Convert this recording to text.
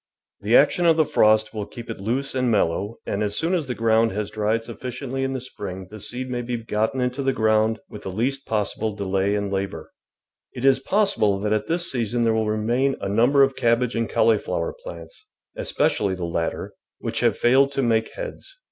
The action of the frost will keep it loose and mellow, and as soon as the ground has dried sufficiently in the FALL WORK IN THE GARDEN spring the seed may be gotten into the ground with the least possible delay and labour. It is possible that at this season there will remain a number of cabbage and cauliflower plants, espe cially the latter, which have failed to make heads.